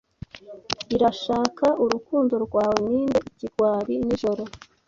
Irashaka urukundo rwawe; ninde, ikigwari, nijoro,